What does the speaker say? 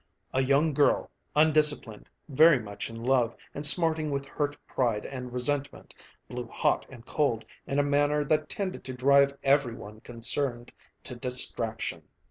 A young girl, undisciplined, very much in love, and smarting with hurt pride and resentment, blew hot and cold in a manner that tended to drive every one concerned to distraction.